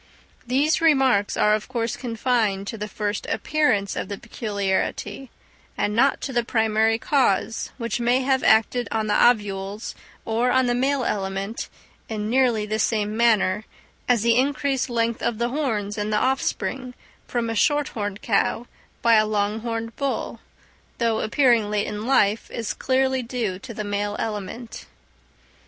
These remarks are of course confined to the first appearance of the peculiarity, and not to the primary cause which may have acted on the ovules or on the male element; in nearly the same manner as the increased length of the horns in the offspring from a short horned cow by a long horned bull, though appearing late in life, is clearly due to the male element.